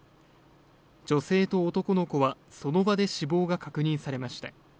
女性と男の子はその場で死亡が確認されました